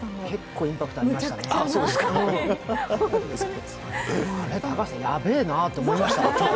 結構インパクトありましたね。